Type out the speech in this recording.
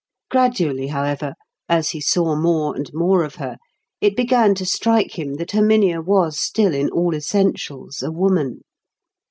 Gradually, however, as he saw more and more of her, it began to strike him that Herminia was still in all essentials a woman.